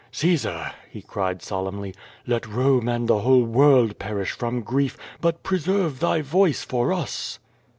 "Caesar," he cried, solemnly, "let Rome and the whole world perish from grief, but preserve thy voice for us!"